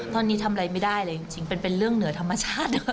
ตอนนี้ทำอะไรไม่ได้เลยจริงเป็นเรื่องเหนือธรรมชาติ